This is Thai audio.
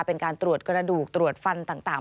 เป็นการตรวจกระดูกตรวจฟันต่าง